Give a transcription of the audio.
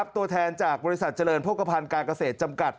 ตัวแทนจากบริษัทเจริญโภคภัณฑ์การเกษตรจำกัด